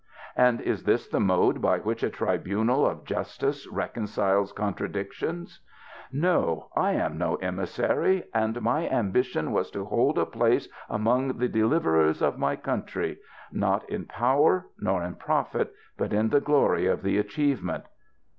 And is this the mode by which a tribunal of justice reconciles contradictions ? No, I am no emis sary ; and my ambition was to hold a place among the deliver ers of my country ; not in power, nor in profit, but in the glory of the achievement